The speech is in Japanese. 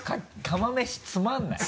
釜飯つまんない。